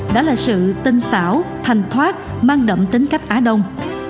đã là sự tinh xảo thanh thoát mang đậm tính cách á đông